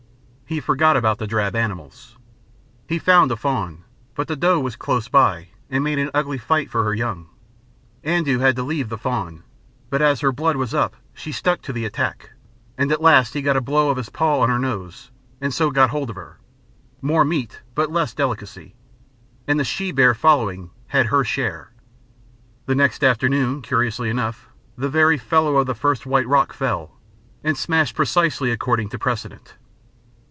He forgot about the drab animals. He found a fawn, but the doe was close by and made an ugly fight for her young. Andoo had to leave the fawn, but as her blood was up she stuck to the attack, and at last he got in a blow of his paw on her nose, and so got hold of her. More meat but less delicacy, and the she bear, following, had her share. The next afternoon, curiously enough, the very fellow of the first white rock fell, and smashed precisely according to precedent.